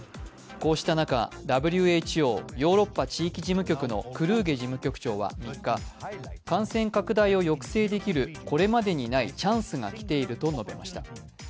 こうした中、ＷＨＯヨーロッパ地域事務局のクルーゲ事務局長は３日感染拡大を抑制できるこれまでにないチャンスが来ていると述べました。